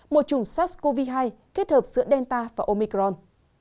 một chủng sars cov hai kết hợp giữa delta và omicron